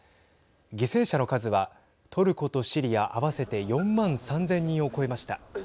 犠牲者の数はトルコとシリア合わせて４万３０００人を超えました。